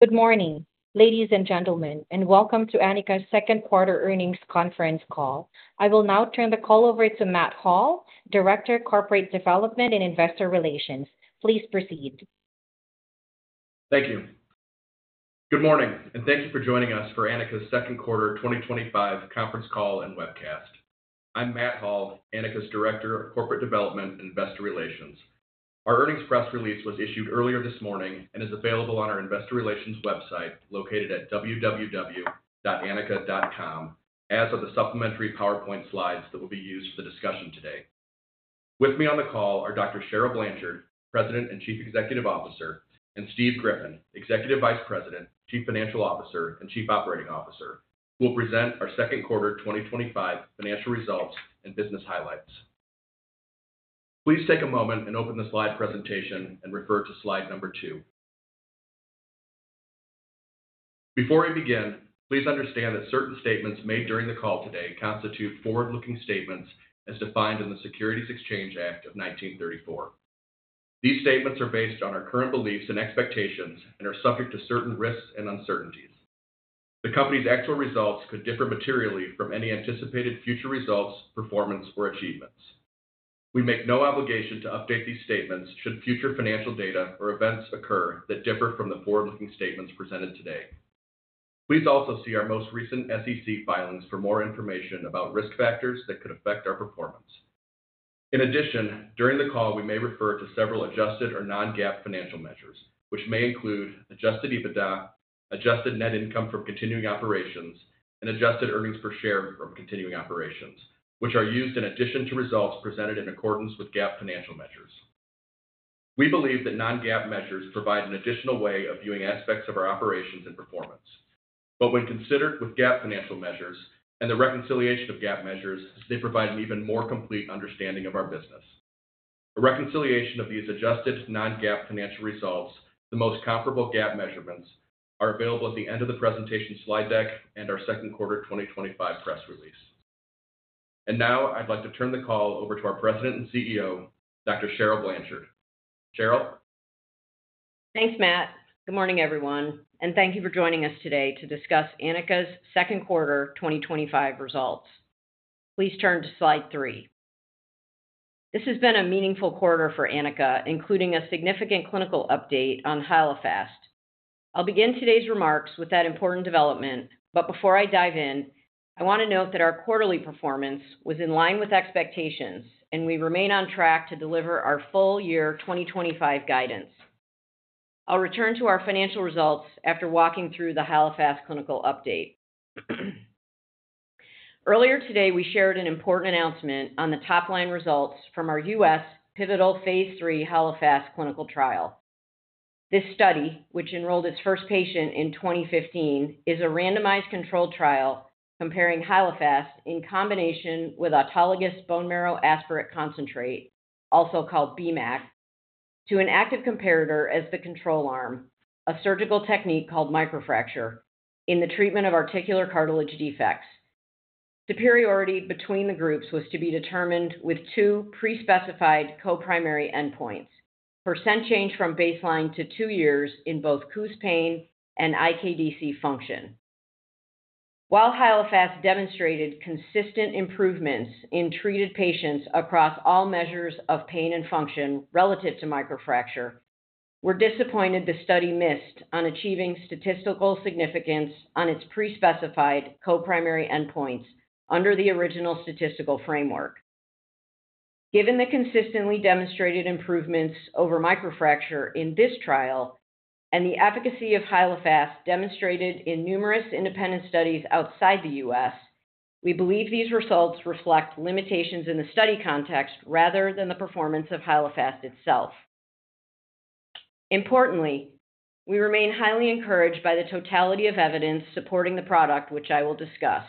Good morning, ladies and gentlemen, and welcome to Anika Therapeutics' second quarter earnings conference call. I will now turn the call over to Matt Hall, Director of Corporate Development and Investor Relations. Please proceed. Thank you. Good morning, and thank you for joining us for Anika Therapeutics' second quarter 2025 conference call and webcast. I'm Matt Hall, Anika Therapeutics' Director of Corporate Development and Investor Relations. Our earnings press release was issued earlier this morning and is available on our Investor Relations website, located at www.anika.com, as are the supplementary PowerPoint slides that will be used for the discussion today. With me on the call are Dr. Cheryl Blanchard, President and Chief Executive Officer, and Steve Griffin, Executive Vice President, Chief Financial Officer, and Chief Operating Officer, who will present our second quarter 2025 financial results and business highlights. Please take a moment and open the slide presentation and refer to slide number two. Before we begin, please understand that certain statements made during the call today constitute forward-looking statements as defined in the Securities Exchange Act of 1934. These statements are based on our current beliefs and expectations and are subject to certain risks and uncertainties. The company's actual results could differ materially from any anticipated future results, performance, or achievements. We make no obligation to update these statements should future financial data or events occur that differ from the forward-looking statements presented today. Please also see our most recent SEC filings for more information about risk factors that could affect our performance. In addition, during the call, we may refer to several adjusted or non-GAAP financial measures, which may include adjusted EBITDA, adjusted net income from continuing operations, and adjusted earnings per share from continuing operations, which are used in addition to results presented in accordance with GAAP financial measures. We believe that non-GAAP measures provide an additional way of viewing aspects of our operations and performance. When considered with GAAP financial measures and the reconciliation of GAAP measures, they provide an even more complete understanding of our business. A reconciliation of these adjusted non-GAAP financial results and the most comparable GAAP measurements are available at the end of the presentation slide deck and our second quarter 2025 press release. Now I'd like to turn the call over to our President and CEO, Dr. Cheryl Blanchard. Cheryl? Thanks, Matt. Good morning, everyone, and thank you for joining us today to discuss Anika's second quarter 2025 results. Please turn to slide three. This has been a meaningful quarter for Anika, including a significant clinical update on Hyalofast. I'll begin today's remarks with that important development, but before I dive in, I want to note that our quarterly performance was in line with expectations, and we remain on track to deliver our full year 2025 guidance. I'll return to our financial results after walking through the Hyalofast clinical update. Earlier today, we shared an important announcement on the top-line results from our U.S. pivotal Phase 3 Hyalofast clinical trial. This study, which enrolled its first patient in 2015, is a randomized controlled trial comparing Hyalofast in combination with autologous bone marrow aspirate concentrate, also called BMAC, to an active comparator as the control arm, a surgical technique called microfracture, in the treatment of articular cartilage defects. Superiority between the groups was to be determined with two pre-specified coprimary endpoints: % change from baseline to two years in both Coombs' pain and IKDC function. While Hyalofast demonstrated consistent improvements in treated patients across all measures of pain and function relative to microfracture, we're disappointed the study missed on achieving statistical significance on its pre-specified coprimary endpoints under the original statistical framework. Given the consistently demonstrated improvements over microfracture in this trial and the efficacy of Hyalofast demonstrated in numerous independent studies outside the U.S., we believe these results reflect limitations in the study context rather than the performance of Hyalofast itself. Importantly, we remain highly encouraged by the totality of evidence supporting the product, which I will discuss.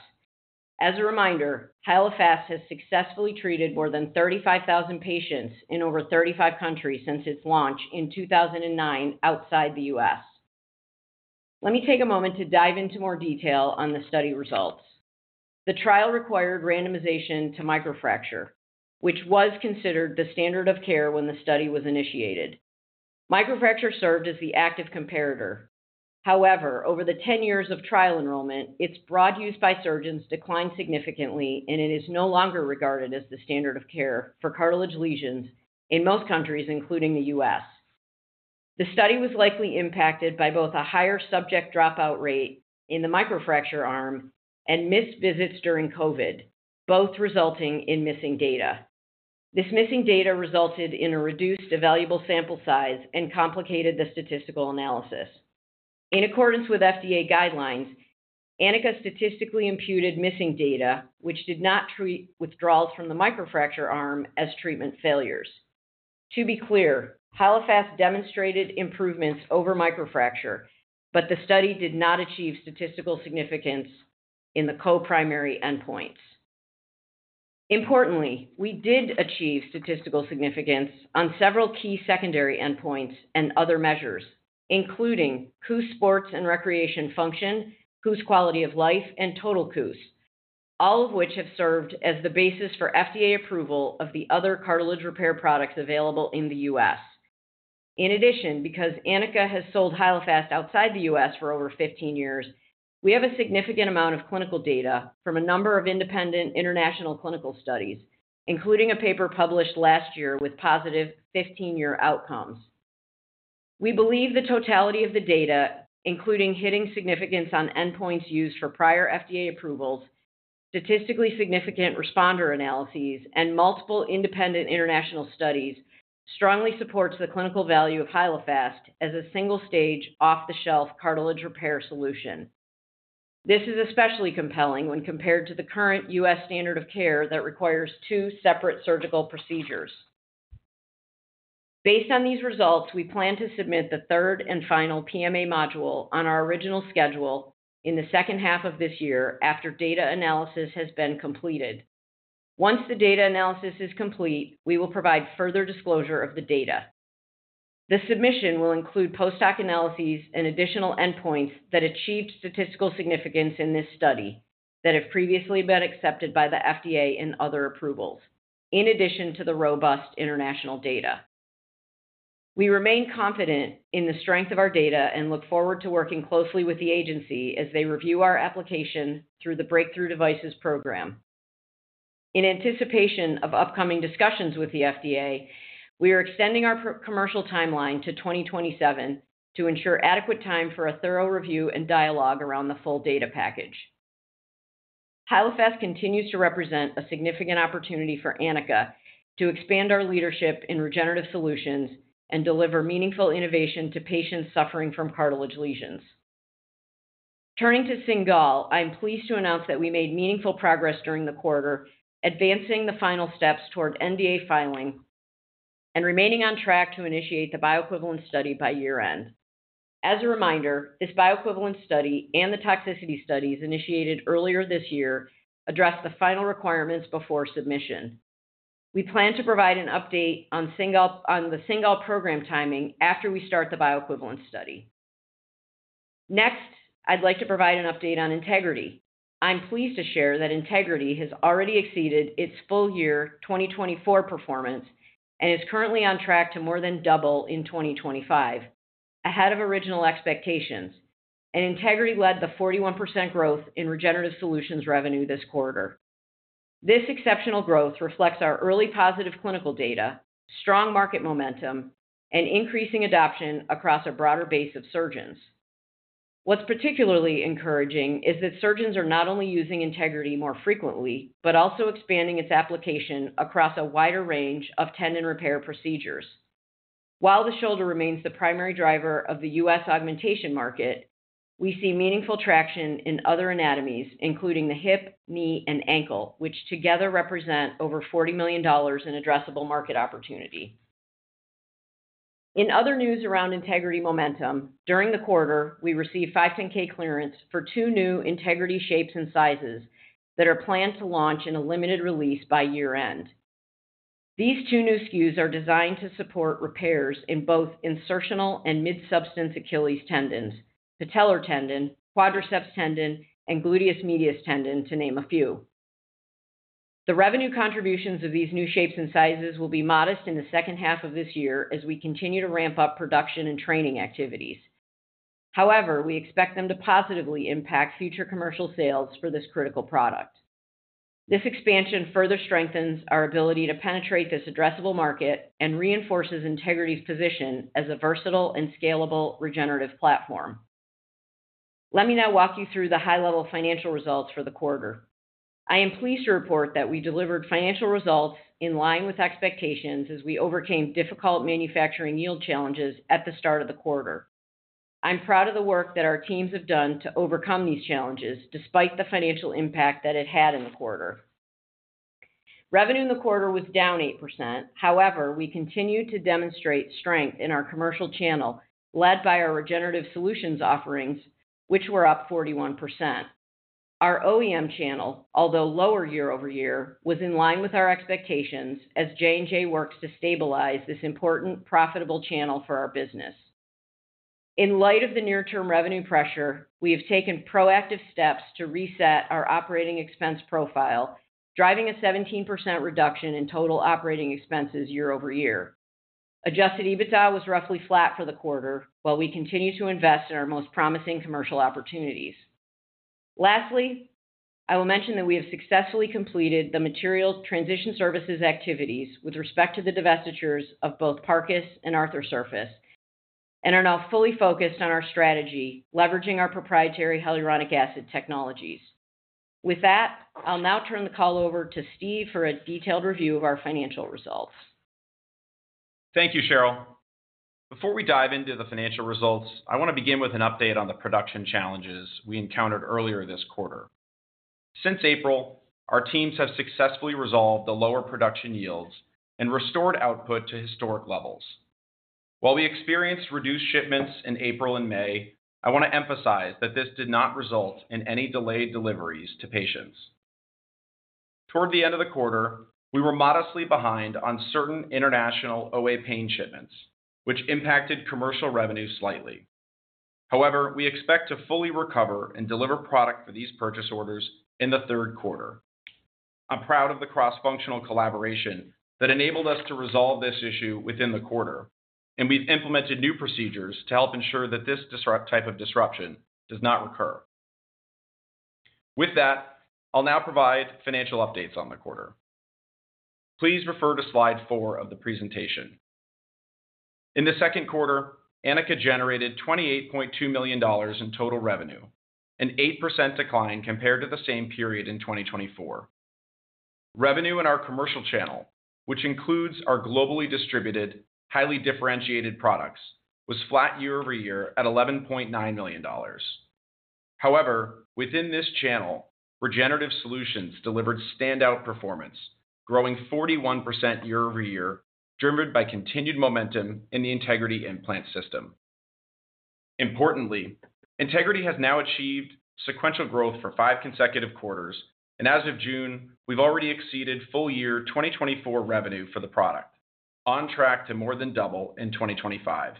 As a reminder, Hyalofast has successfully treated more than 35,000 patients in over 35 countries since its launch in 2009 outside the U.S. Let me take a moment to dive into more detail on the study results. The trial required randomization to microfracture, which was considered the standard of care when the study was initiated. Microfracture served as the active comparator. However, over the 10 years of trial enrollment, its broad use by surgeons declined significantly, and it is no longer regarded as the standard of care for cartilage lesions in most countries, including the U.S. The study was likely impacted by both a higher subject dropout rate in the microfracture arm and missed visits during COVID, both resulting in missing data. This missing data resulted in a reduced evaluable sample size and complicated the statistical analysis. In accordance with FDA guidelines, Anika statistically imputed missing data, which did not treat withdrawals from the microfracture arm as treatment failures. To be clear, Hyalofast demonstrated improvements over microfracture, but the study did not achieve statistical significance in the coprimary endpoints. Importantly, we did achieve statistical significance on several key secondary endpoints and other measures, including KOOS sports and recreation function, KOOS quality of life, and total KOOS, all of which have served as the basis for FDA approval of the other cartilage repair products available in the U.S. In addition, because Anika has sold Hyalofast outside the U.S. for over 15 years, we have a significant amount of clinical data from a number of independent international clinical studies, including a paper published last year with positive 15-year outcomes. We believe the totality of the data, including hitting significance on endpoints used for prior FDA approvals, statistically significant responder analyses, and multiple independent international studies, strongly supports the clinical value of Hyalofast as a single-stage, off-the-shelf cartilage repair solution. This is especially compelling when compared to the current U.S. standard of care that requires two separate surgical procedures. Based on these results, we plan to submit the third and final PMA module on our original schedule in the second half of this year after data analysis has been completed. Once the data analysis is complete, we will provide further disclosure of the data. The submission will include post hoc analyses and additional endpoints that achieved statistical significance in this study that have previously been accepted by the FDA and other approvals, in addition to the robust international data. We remain confident in the strength of our data and look forward to working closely with the agency as they review our application through the Breakthrough Devices program. In anticipation of upcoming discussions with the FDA, we are extending our commercial timeline to 2027 to ensure adequate time for a thorough review and dialogue around the full data package. Hyalofast continues to represent a significant opportunity for Anika Therapeutics to expand our leadership in regenerative solutions and deliver meaningful innovation to patients suffering from cartilage lesions. Turning to Cingal, I'm pleased to announce that we made meaningful progress during the quarter, advancing the final steps toward NDA filing and remaining on track to initiate the bioequivalent study by year-end. As a reminder, this bioequivalent study and the toxicity studies initiated earlier this year address the final requirements before submission. We plan to provide an update on the Cingal program timing after we start the bioequivalent study. Next, I'd like to provide an update on Integrity. I'm pleased to share that Integrity has already exceeded its full-year 2024 performance and is currently on track to more than double in 2025, ahead of original expectations. Integrity led the 41% growth in regenerative solutions revenue this quarter. This exceptional growth reflects our early positive clinical data, strong market momentum, and increasing adoption across a broader base of surgeons. What's particularly encouraging is that surgeons are not only using Integrity more frequently but also expanding its application across a wider range of tendon repair procedures. While the shoulder remains the primary driver of the U.S. augmentation market, we see meaningful traction in other anatomies, including the hip, knee, and ankle, which together represent over $40 million in addressable market opportunity. In other news around Integrity momentum, during the quarter, we received 510K clearance for two new Integrity shapes and sizes that are planned to launch in a limited release by year-end. These two new SKUs are designed to support repairs in both insertional and midsubstance Achilles tendons, patellar tendon, quadriceps tendon, and gluteus medius tendon, to name a few. The revenue contributions of these new shapes and sizes will be modest in the second half of this year as we continue to ramp up production and training activities. However, we expect them to positively impact future commercial sales for this critical product. This expansion further strengthens our ability to penetrate this addressable market and reinforces Integrity's position as a versatile and scalable regenerative platform. Let me now walk you through the high-level financial results for the quarter. I am pleased to report that we delivered financial results in line with expectations as we overcame difficult manufacturing yield challenges at the start of the quarter. I'm proud of the work that our teams have done to overcome these challenges despite the financial impact that it had in the quarter. Revenue in the quarter was down 8%. However, we continued to demonstrate strength in our commercial channel, led by our regenerative solutions offerings, which were up 41%. Our OEM channel, although lower year over year, was in line with our expectations as J&J works to stabilize this important, profitable channel for our business. In light of the near-term revenue pressure, we have taken proactive steps to reset our operating expense profile, driving a 17% reduction in total operating expenses year over year. Adjusted EBITDA was roughly flat for the quarter, while we continue to invest in our most promising commercial opportunities. Lastly, I will mention that we have successfully completed the material transition services activities with respect to the divestitures of both Parcus and Arthrosurface and are now fully focused on our strategy, leveraging our proprietary hyaluronic acid technologies. With that, I'll now turn the call over to Steve for a detailed review of our financial results. Thank you, Cheryl. Before we dive into the financial results, I want to begin with an update on the production challenges we encountered earlier this quarter. Since April, our teams have successfully resolved the lower production yields and restored output to historic levels. While we experienced reduced shipments in April and May, I want to emphasize that this did not result in any delayed deliveries to patients. Toward the end of the quarter, we were modestly behind on certain international OA pain shipments, which impacted commercial revenue slightly. However, we expect to fully recover and deliver product for these purchase orders in the third quarter. I'm proud of the cross-functional collaboration that enabled us to resolve this issue within the quarter, and we've implemented new procedures to help ensure that this type of disruption does not recur. With that, I'll now provide financial updates on the quarter. Please refer to slide four of the presentation. In the second quarter, Anika Therapeutics generated $28.2 million in total revenue, an 8% decline compared to the same period in 2024. Revenue in our commercial channel, which includes our globally distributed, highly differentiated products, was flat year over year at $11.9 million. However, within this channel, regenerative solutions delivered standout performance, growing 41% year over year, driven by continued momentum in the Integrity Implant System. Importantly, Integrity has now achieved sequential growth for five consecutive quarters, and as of June, we've already exceeded full-year 2024 revenue for the product, on track to more than double in 2025.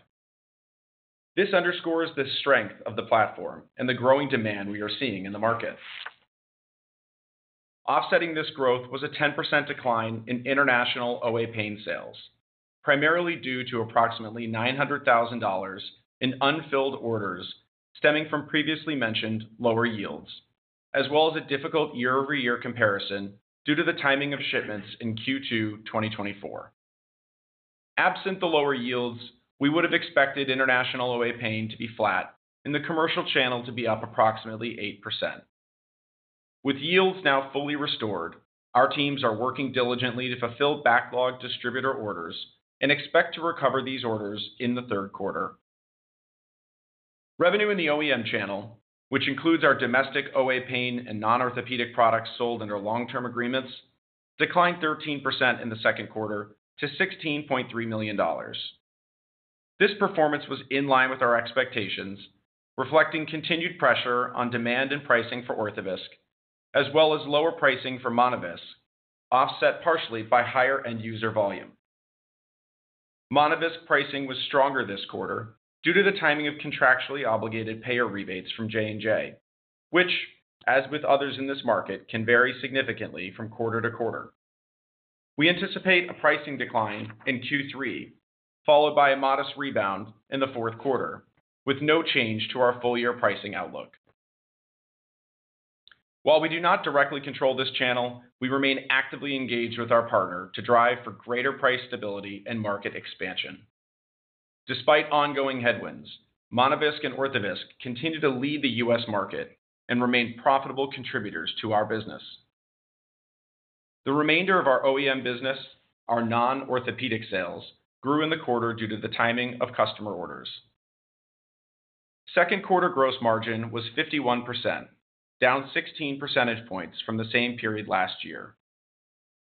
This underscores the strength of the platform and the growing demand we are seeing in the market. Offsetting this growth was a 10% decline in international OA pain sales, primarily due to approximately $900,000 in unfilled orders stemming from previously mentioned lower yields, as well as a difficult year-over-year comparison due to the timing of shipments in Q2 2024. Absent the lower yields, we would have expected international OA pain to be flat and the commercial channel to be up approximately 8%. With yields now fully restored, our teams are working diligently to fulfill backlog distributor orders and expect to recover these orders in the third quarter. Revenue in the OEM channel, which includes our domestic OA pain and non-orthopedic products sold under long-term agreements, declined 13% in the second quarter to $16.3 million. This performance was in line with our expectations, reflecting continued pressure on demand and pricing for Orthovisc, as well as lower pricing for Monovisc, offset partially by higher end-user volume. Monovisc pricing was stronger this quarter due to the timing of contractually obligated payer rebates from J&J, which, as with others in this market, can vary significantly from quarter to quarter. We anticipate a pricing decline in Q3, followed by a modest rebound in the fourth quarter, with no change to our full-year pricing outlook. While we do not directly control this channel, we remain actively engaged with our partner to drive for greater price stability and market expansion. Despite ongoing headwinds, Monovisc and Orthovisc continue to lead the U.S. market and remain profitable contributors to our business. The remainder of our OEM business, our non-orthopedic sales, grew in the quarter due to the timing of customer orders. Second quarter gross margin was 51%, down 16 percentage points from the same period last year.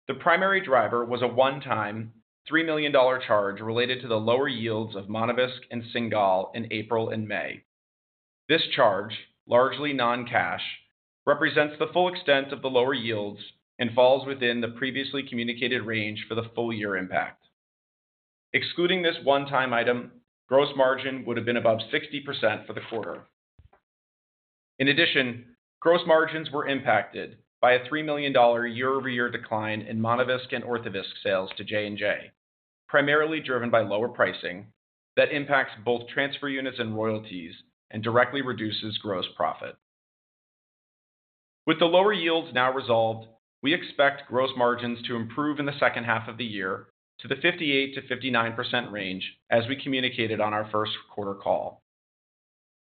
The primary driver was a one-time, $3 million charge related to the lower yields of Monovisc and Cingal in April and May. This charge, largely non-cash, represents the full extent of the lower yields and falls within the previously communicated range for the full-year impact. Excluding this one-time item, gross margin would have been above 60% for the quarter. In addition, gross margins were impacted by a $3 million year-over-year decline in Monovisc and Orthovisc sales to Johnson & Johnson, primarily driven by lower pricing that impacts both transfer units and royalties and directly reduces gross profit. With the lower yields now resolved, we expect gross margins to improve in the second half of the year to the 58% to 59% range as we communicated on our first quarter call.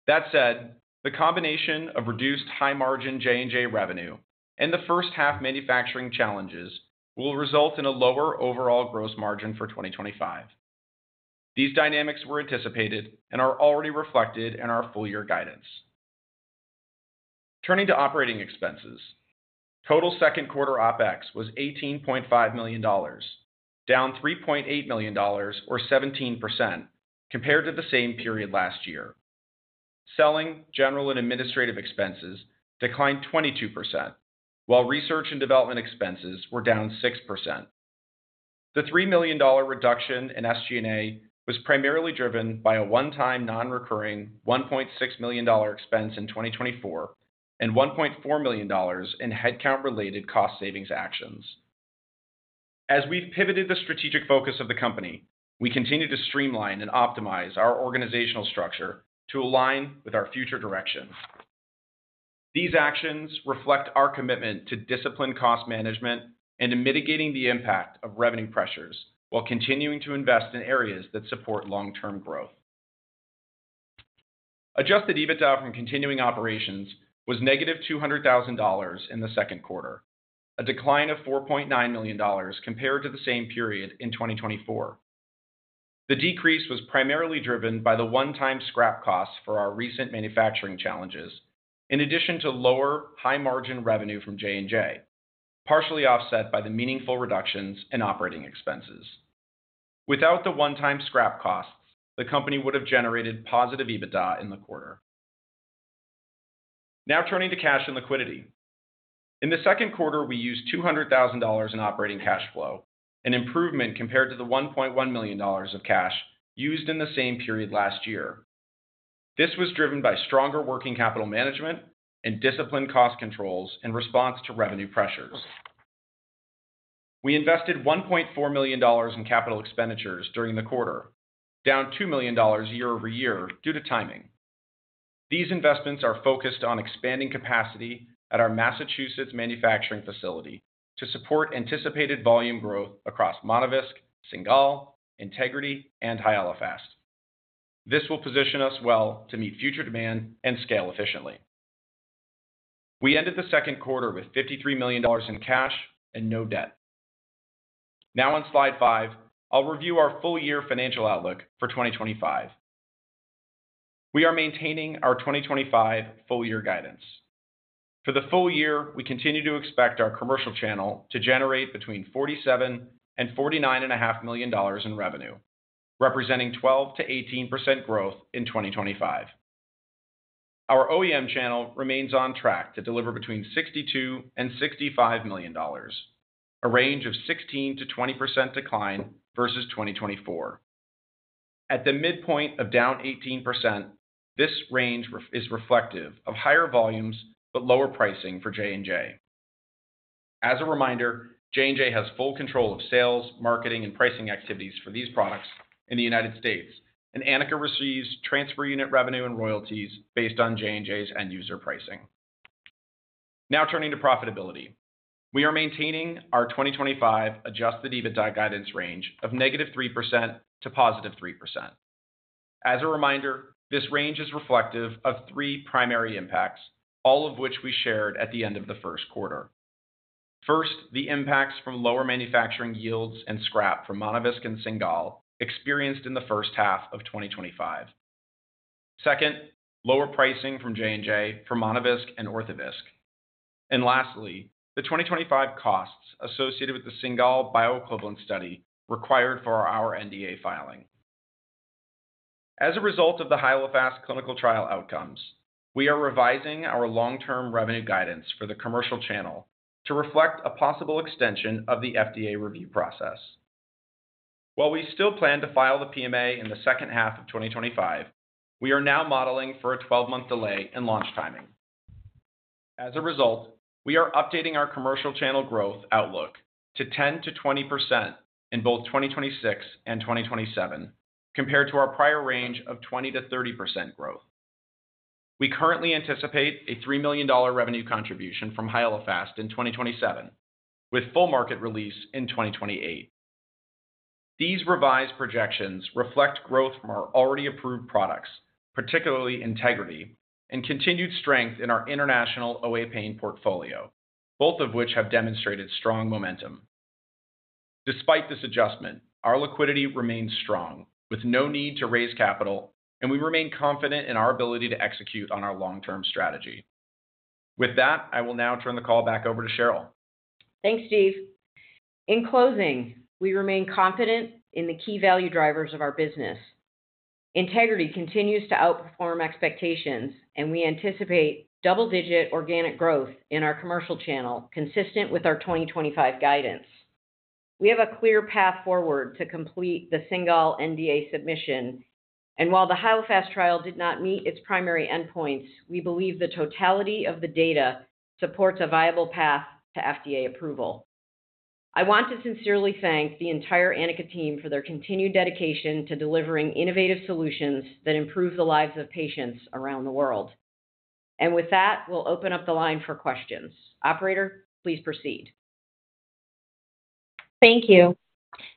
That said, the combination of reduced high-margin Johnson & Johnson revenue and the first-half manufacturing challenges will result in a lower overall gross margin for 2025. These dynamics were anticipated and are already reflected in our full-year guidance. Turning to operating expenses, total second quarter OpEx was $18.5 million, down $3.8 million, or 17% compared to the same period last year. Selling, general, and administrative expenses declined 22%, while research and development expenses were down 6%. The $3 million reduction in SG&A was primarily driven by a one-time non-recurring $1.6 million expense in 2024 and $1.4 million in headcount-related cost-savings actions. As we've pivoted the strategic focus of the company, we continue to streamline and optimize our organizational structure to align with our future directions. These actions reflect our commitment to disciplined cost management and to mitigating the impact of revenue pressures while continuing to invest in areas that support long-term growth. Adjusted EBITDA from continuing operations was -$200,000 in the second quarter, a decline of $4.9 million compared to the same period in 2024. The decrease was primarily driven by the one-time scrap costs for our recent manufacturing challenges, in addition to lower high-margin revenue from J&J, partially offset by the meaningful reductions in operating expenses. Without the one-time scrap costs, the company would have generated positive EBITDA in the quarter. Now turning to cash and liquidity. In the second quarter, we used $200,000 in operating cash flow, an improvement compared to the $1.1 million of cash used in the same period last year. This was driven by stronger working capital management and disciplined cost controls in response to revenue pressures. We invested $1.4 million in capital expenditures during the quarter, down $2 million year over year due to timing. These investments are focused on expanding capacity at our Massachusetts manufacturing facility to support anticipated volume growth across Monovisc, Cingal, Integrity Implant System, and Hyalofast. This will position us well to meet future demand and scale efficiently. We ended the second quarter with $53 million in cash and no debt. Now on slide five, I'll review our full-year financial outlook for 2025. We are maintaining our 2025 full-year guidance. For the full year, we continue to expect our commercial channel to generate between $47 million and $49.5 million in revenue, representing 12-18% growth in 2025. Our OEM channel remains on track to deliver between $62 million and $65 million, a range of 16-20% decline versus 2024. At the midpoint of down 18%, this range is reflective of higher volumes but lower pricing for J&J. As a reminder, Johnson & Johnson has full control of sales, marketing, and pricing activities for these products in the United States. And Anika Therapeutics receives transfer unit revenue and royalties based on J&J's end-user pricing. Now turning to profitability, we are maintaining our 2025 adjusted EBITDA guidance range of -3% -+3%. As a reminder, this range is reflective of three primary impacts, all of which we shared at the end of the first quarter. First, the impacts from lower manufacturing yields and scrap from Monovisc and Cingal experienced in the first half of 2025. Second, lower pricing from J&J for Monovisc and Orthovisc. Lastly, the 2025 costs associated with the Cingal bioequivalent study required for our NDA filing. As a result of the Hyalofast clinical trial outcomes, we are revising our long-term revenue guidance for the commercial channel to reflect a possible extension of the FDA review process. While we still plan to file the PMA in the second half of 2025, we are now modeling for a 12-month delay in launch timing. As a result, we are updating our commercial channel growth outlook to 10% to 20% in both 2026 and 2027, compared to our prior range of 20% to 30% growth. We currently anticipate a $3 million revenue contribution from Hyalofast in 2027, with full market release in 2028. These revised projections reflect growth from our already approved products, particularly Integrity, and continued strength in our international OA pain portfolio, both of which have demonstrated strong momentum. Despite this adjustment, our liquidity remains strong, with no need to raise capital, and we remain confident in our ability to execute on our long-term strategy. With that, I will now turn the call back over to Cheryl. Thanks you. In closing, we remain confident in the key value drivers of our business. Integrity continues to outperform expectations, and we anticipate double-digit organic growth in our commercial channel, consistent with our 2025 guidance. We have a clear path forward to complete the Cingal NDA submission, and while the Hyalofast trial did not meet its coprimary endpoints, we believe the totality of the data supports a viable path to FDA approval. I want to sincerely thank the entire Anika team for their continued dedication to delivering innovative solutions that improve the lives of patients around the world. With that, we'll open up the line for questions. Operator, please proceed. Thank you.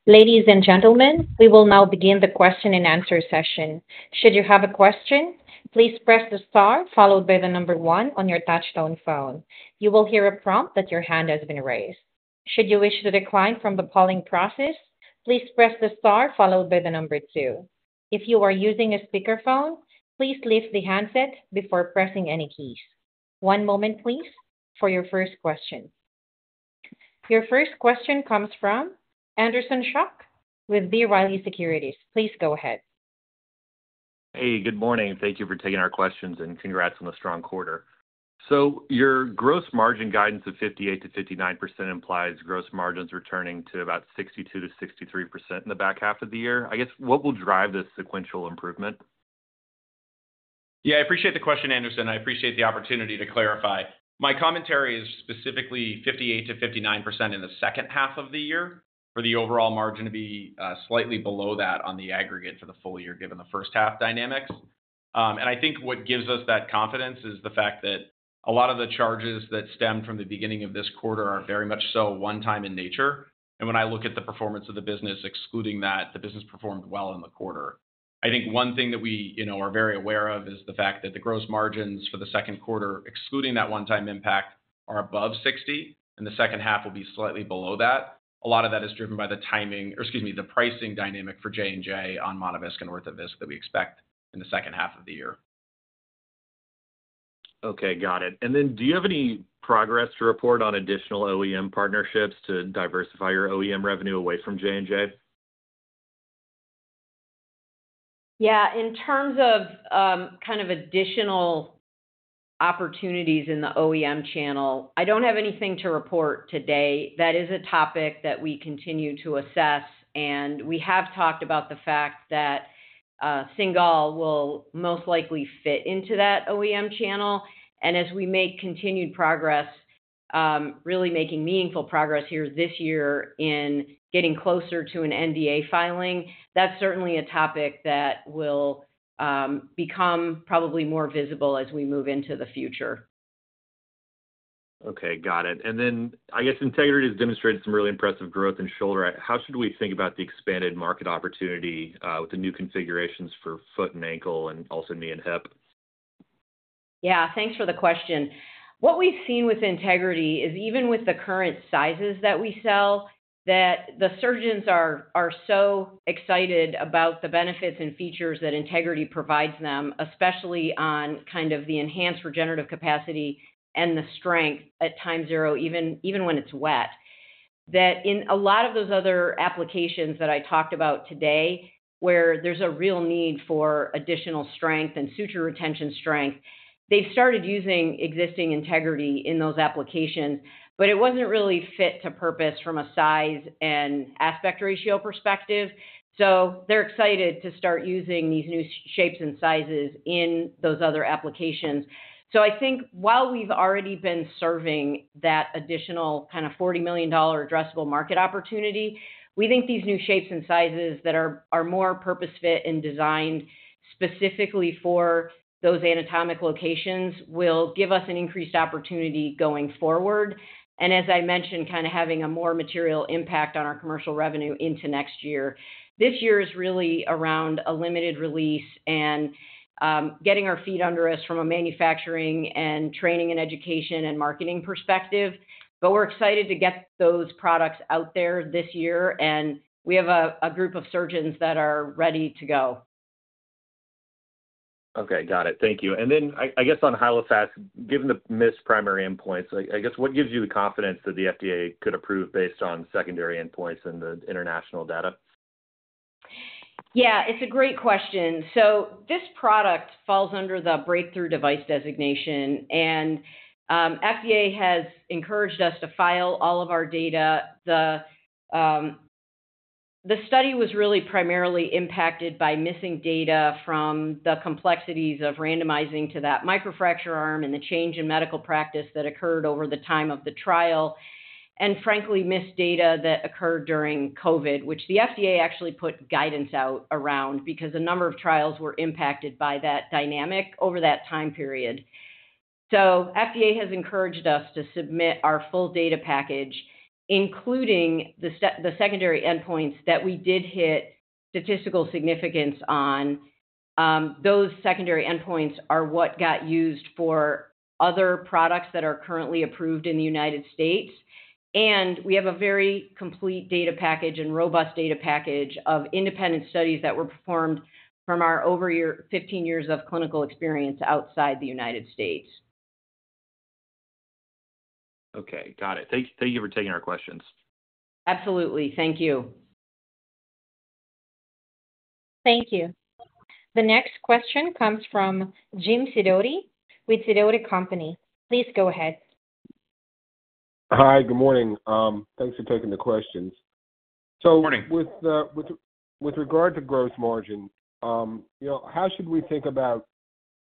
Ladies and gentlemen, we will now begin the question and answer session. Should you have a question, please press the star followed by the number one on your touchstone phone. You will hear a prompt that your hand has been raised. Should you wish to decline from the polling process, please press the star followed by the number two. If you are using a speakerphone, please lift the handset before pressing any keys. One moment, please, for your first question. Your first question comes from Anderson Schock with B. Riley Securities. Please go ahead. Hey, good morning. Thank you for taking our questions and congrats on the strong quarter. Your gross margin guidance of 58% to 59% implies gross margins returning to about 62% to 63% in the back half of the year. I guess, what will drive this sequential improvement? Yeah, I appreciate the question, Anderson. I appreciate the opportunity to clarify. My commentary is specifically 58% to 59% in the second half of the year for the overall margin to be slightly below that on the aggregate for the full year, given the first half dynamics. I think what gives us that confidence is the fact that a lot of the charges that stemmed from the beginning of this quarter are very much so one-time in nature. When I look at the performance of the business, excluding that, the business performed well in the quarter. I think one thing that we are very aware of is the fact that the gross margins for the second quarter, excluding that one-time impact, are above 60%, and the second half will be slightly below that. A lot of that is driven by the timing, or excuse me, the pricing dynamic for Johnson & Johnson on Monovisc and Orthovisc that we expect in the second half of the year. Okay, got it. Do you have any progress to report on additional OEM partnerships to diversify your OEM revenue away from J&J? Yeah, in terms of kind of additional opportunities in the OEM channel, I don't have anything to report today. That is a topic that we continue to assess, and we have talked about the fact that Cingal will most likely fit into that OEM channel. As we make continued progress, really making meaningful progress here this year in getting closer to an NDA filing, that's certainly a topic that will become probably more visible as we move into the future. Okay, got it. Integrity has demonstrated some really impressive growth in shoulder. How should we think about the expanded market opportunity with the new configurations for foot and ankle and also knee and hip? Yeah, thanks for the question. What we've seen with Integrity is even with the current sizes that we sell, the surgeons are so excited about the benefits and features that Integrity provides them, especially on kind of the enhanced regenerative capacity and the strength at time zero, even when it's wet. In a lot of those other applications that I talked about today, where there's a real need for additional strength and suture retention strength, they've started using existing Integrity in those applications, but it wasn't really fit to purpose from a size and aspect ratio perspective. They're excited to start using these new shapes and sizes in those other applications. I think while we've already been serving that additional kind of $40 million addressable market opportunity, we think these new shapes and sizes that are more purpose-fit and designed specifically for those anatomic locations will give us an increased opportunity going forward. As I mentioned, kind of having a more material impact on our commercial revenue into next year. This year is really around a limited release and getting our feet under us from a manufacturing and training and education and marketing perspective. We're excited to get those products out there this year, and we have a group of surgeons that are ready to go. Okay, got it. Thank you. On Hyalofast, given the missed coprimary endpoints, what gives you the confidence that the FDA could approve based on secondary endpoints and the international data? Yeah, it's a great question. This product falls under the breakthrough device designation, and FDA has encouraged us to file all of our data. The study was primarily impacted by missing data from the complexities of randomizing to that microfracture arm and the change in medical practice that occurred over the time of the trial, and frankly, missed data that occurred during COVID, which the FDA actually put guidance out around because a number of trials were impacted by that dynamic over that time period. FDA has encouraged us to submit our full data package, including the secondary endpoints that we did hit statistical significance on. Those secondary endpoints are what got used for other products that are currently approved in the U.S. We have a very complete data package and robust data package of independent studies that were performed from our over 15 years of clinical experience outside the U.S. Okay, got it. Thank you for taking our questions. Absolutely. Thank you. Thank you. The next question comes from Jim Sidoti with Sidoti & Co. Please go ahead. Hi, good morning. Thanks for taking the questions. Morning. With regard to gross margin, you know, how should we think about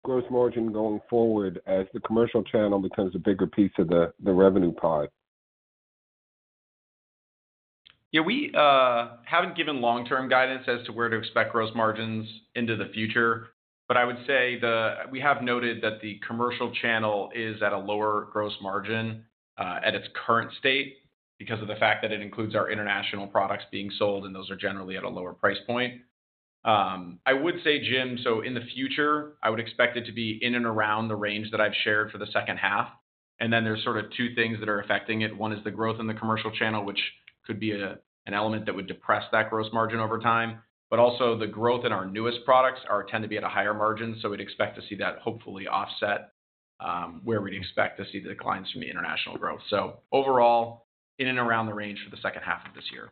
gross margin going forward as the commercial channel becomes a bigger piece of the revenue pod? Yeah, we haven't given long-term guidance as to where to expect gross margins into the future, but I would say that we have noted that the commercial channel is at a lower gross margin at its current state because of the fact that it includes our international products being sold, and those are generally at a lower price point. I would say, Jim, in the future, I would expect it to be in and around the range that I've shared for the second half. There are sort of two things that are affecting it. One is the growth in the commercial channel, which could be an element that would depress that gross margin over time. Also, the growth in our newest products tends to be at a higher margin, so we'd expect to see that hopefully offset where we'd expect to see the declines from the international growth. Overall, in and around the range for the second half of this year.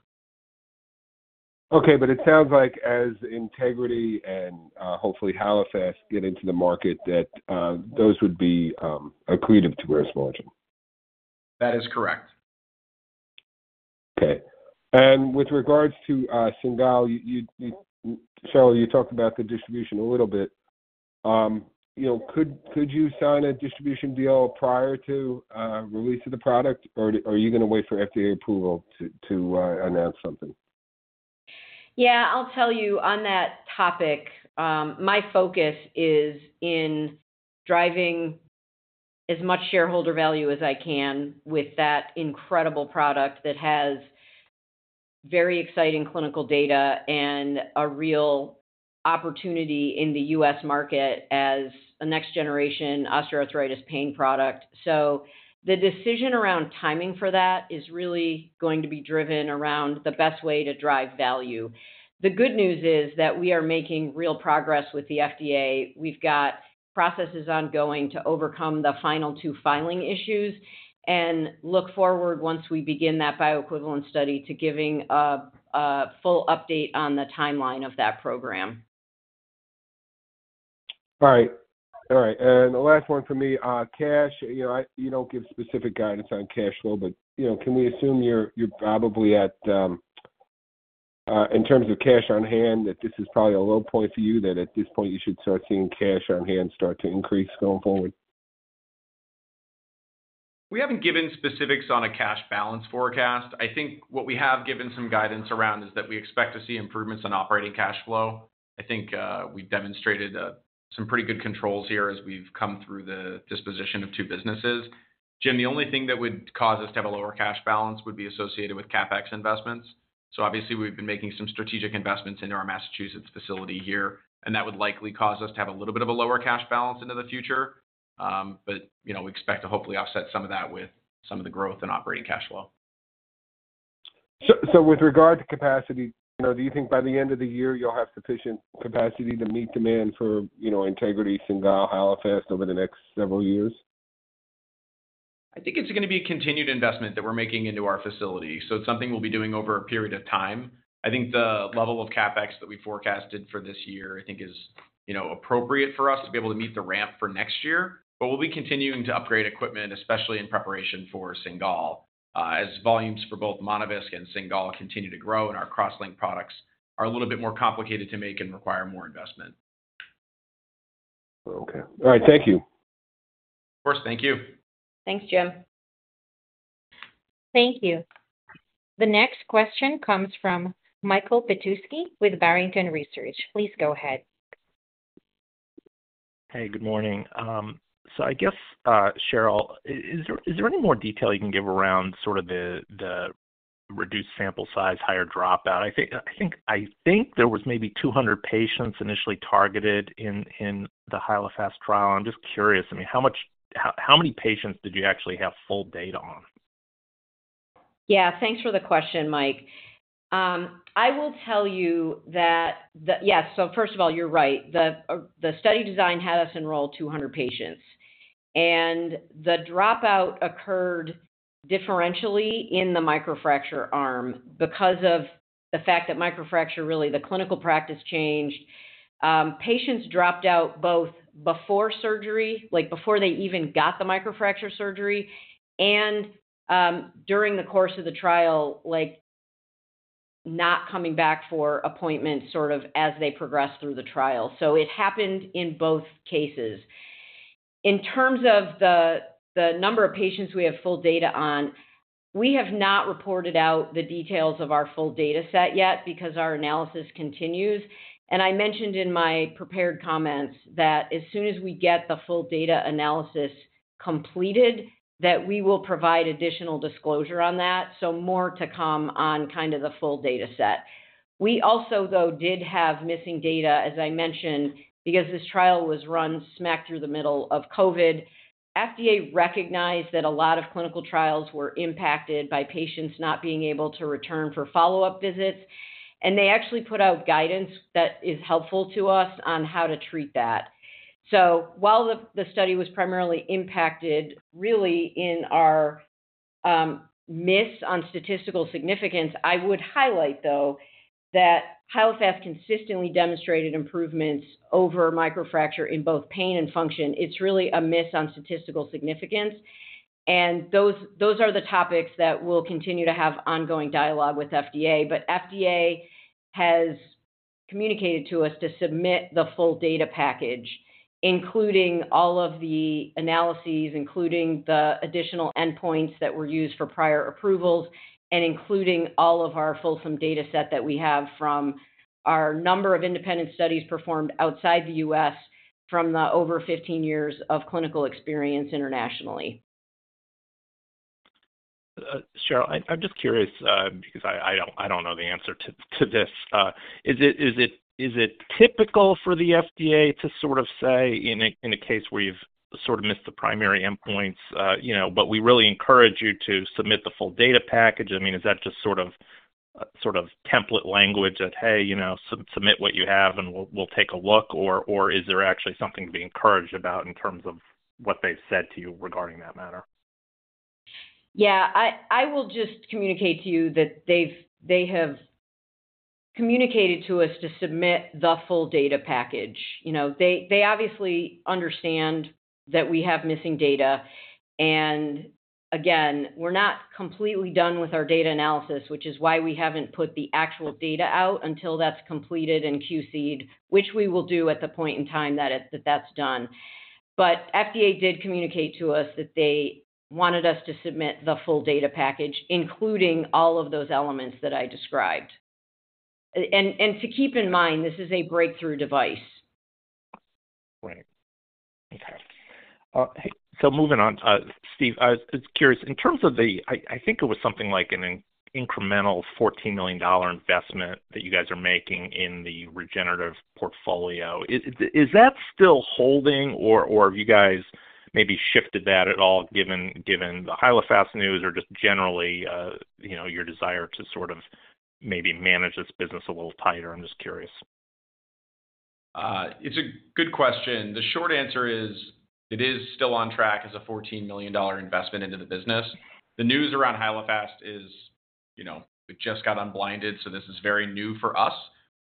Okay, it sounds like as Integrity and hopefully Hyalofast get into the market, that those would be accretive to gross margin. That is correct. Okay. With regards to Cingal, Cheryl, you talked about the distribution a little bit. You know, could you sign a distribution deal prior to release of the product, or are you going to wait for FDA approval to announce something? I'll tell you on that topic, my focus is in driving as much shareholder value as I can with that incredible product that has very exciting clinical data and a real opportunity in the U.S. market as a next-generation osteoarthritis pain product. The decision around timing for that is really going to be driven around the best way to drive value. The good news is that we are making real progress with the FDA. We've got processes ongoing to overcome the final two filing issues and look forward once we begin that bioequivalent study to giving a full update on the timeline of that program. All right. The last one for me, cash, you know, you don't give specific guidance on cash flow, but you know, can we assume you're probably at, in terms of cash on hand, that this is probably a low point for you, that at this point you should start seeing cash on hand start to increase going forward? We haven't given specifics on a cash balance forecast. I think what we have given some guidance around is that we expect to see improvements in operating cash flow. I think we demonstrated some pretty good controls here as we've come through the disposition of two businesses. Jim, the only thing that would cause us to have a lower cash balance would be associated with CapEx investments. Obviously, we've been making some strategic investments into our Massachusetts facility here, and that would likely cause us to have a little bit of a lower cash balance into the future. You know, we expect to hopefully offset some of that with some of the growth in operating cash flow. With regard to capacity, do you think by the end of the year you'll have sufficient capacity to meet demand for Integrity Implant System, Cingal, Hyalofast over the next several years? I think it's going to be a continued investment that we're making into our facility. It's something we'll be doing over a period of time. I think the level of CapEx that we forecasted for this year is appropriate for us to be able to meet the ramp for next year. We'll be continuing to upgrade equipment, especially in preparation for Cingal, as volumes for both Monovisc and Cingal continue to grow and our cross-linked products are a little bit more complicated to make and require more investment. Okay. All right. Thank you. Of course. Thank you. Thanks, Jim. Thank you. The next question comes from Michael Petusky with Barrington Research. Please go ahead. Hey, good morning. Cheryl, is there any more detail you can give around sort of the reduced sample size, higher dropout? I think there were maybe 200 patients initially targeted in the Hyalofast trial. I'm just curious, I mean, how much, how many patients did you actually have full data on? Yeah, thanks for the question, Mike. I will tell you that, yes, so first of all, you're right. The study design had us enroll 200 patients. The dropout occurred differentially in the microfracture arm because of the fact that microfracture, really, the clinical practice changed. Patients dropped out both before surgery, like before they even got the microfracture surgery, and during the course of the trial, like not coming back for appointments as they progressed through the trial. It happened in both cases. In terms of the number of patients we have full data on, we have not reported out the details of our full data set yet because our analysis continues. I mentioned in my prepared comments that as soon as we get the full data analysis completed, we will provide additional disclosure on that. More to come on the full data set. We also did have missing data, as I mentioned, because this trial was run smack through the middle of COVID. FDA recognized that a lot of clinical trials were impacted by patients not being able to return for follow-up visits, and they actually put out guidance that is helpful to us on how to treat that. While the study was primarily impacted in our miss on statistical significance, I would highlight that Hyalofast consistently demonstrated improvements over microfracture in both pain and function. It's really a miss on statistical significance. Those are the topics that we'll continue to have ongoing dialogue with FDA. FDA has communicated to us to submit the full data package, including all of the analyses, including the additional endpoints that were used for prior approvals, and including all of our fulsome data set that we have from our number of independent studies performed outside the U.S. from the over 15 years of clinical experience internationally. Cheryl, I'm just curious because I don't know the answer to this. Is it typical for the FDA to sort of say in a case where you've sort of missed the primary endpoints, you know, but we really encourage you to submit the full data package? I mean, is that just sort of template language that, hey, you know, submit what you have and we'll take a look, or is there actually something to be encouraged about in terms of what they've said to you regarding that matter? Yeah, I will just communicate to you that they have communicated to us to submit the full data package. They obviously understand that we have missing data. Again, we're not completely done with our data analysis, which is why we haven't put the actual data out until that's completed and QC'ed, which we will do at the point in time that that's done. The FDA did communicate to us that they wanted us to submit the full data package, including all of those elements that I described. Keep in mind, this is a breakthrough device. Right. Okay. Moving on, Steve, I was curious, in terms of the, I think it was something like an incremental $14 million investment that you guys are making in the regenerative portfolio. Is that still holding, or have you guys maybe shifted that at all, given the Hyalofast news or just generally, you know, your desire to sort of maybe manage this business a little tighter? I'm just curious. It's a good question. The short answer is it is still on track as a $14 million investment into the business. The news around Hyalofast is, you know, it just got unblinded, so this is very new for us.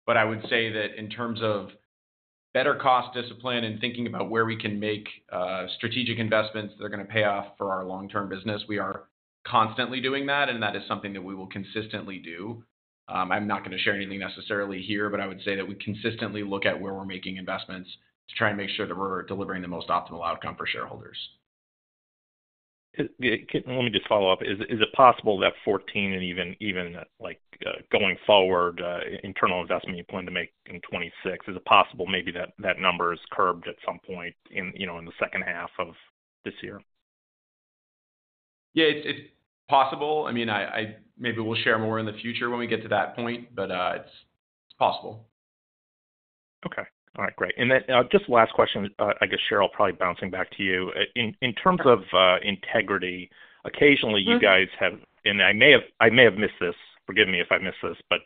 I would say that in terms of better cost discipline and thinking about where we can make strategic investments that are going to pay off for our long-term business, we are constantly doing that, and that is something that we will consistently do. I'm not going to share anything necessarily here, but I would say that we consistently look at where we're making investments to try and make sure that we're delivering the most optimal outcome for shareholders. Let me just follow up. Is it possible that 14 and even like going forward, internal investment you plan to make in 2026, is it possible maybe that that number is curbed at some point in the second half of this year? Yeah, it's possible. I mean, maybe we'll share more in the future when we get to that point, but it's possible. Okay. All right, great. Just the last question, I guess, Cheryl, probably bouncing back to you. In terms of Integrity, occasionally you guys have, and I may have missed this, forgive me if I missed this, but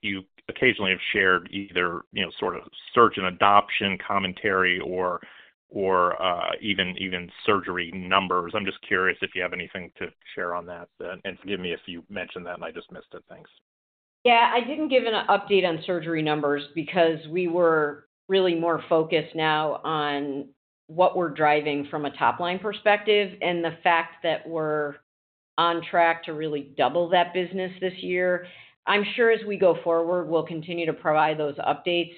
you occasionally have shared either, you know, sort of surgeon adoption commentary or even surgery numbers. I'm just curious if you have anything to share on that. Forgive me if you mentioned that and I just missed it. Thanks. Yeah, I didn't give an update on surgery numbers because we were really more focused now on what we're driving from a top-line perspective, and the fact that we're on track to really double that business this year. I'm sure as we go forward, we'll continue to provide those updates.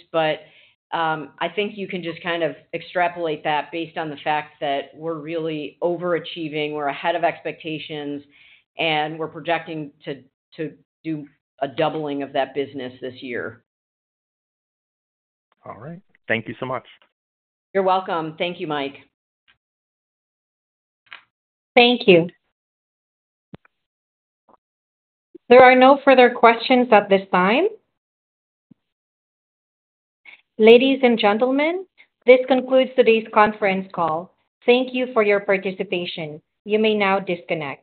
I think you can just kind of extrapolate that based on the fact that we're really overachieving, we're ahead of expectations, and we're projecting to do a doubling of that business this year. All right, thank you so much. You're welcome. Thank you, Mike. Thank you. There are no further questions at this time. Ladies and gentlemen, this concludes today's conference call. Thank you for your participation. You may now disconnect.